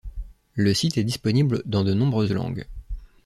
Le site est disponible dans de nombreuses langues.